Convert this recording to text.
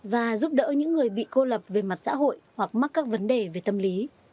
và giúp đỡ những người bị cô lập về mặt xã hội hoặc mắc các vấn đề về tâm lý